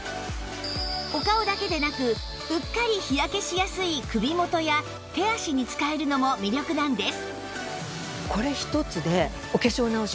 お顔だけでなくうっかり日焼けしやすい首元や手足に使えるのも魅力なんです